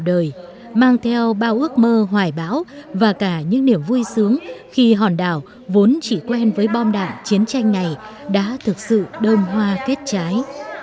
đời mang theo bao ước mơ hoài bão và cả những niềm vui sướng khi hòn đảo vốn chỉ quen với bom đạn chiến tranh này đã thực sự đơm hoa kết trái